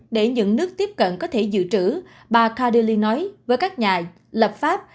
để những nước tiếp cận có thể dự trữ bà kadeli nói với các nhà lập pháp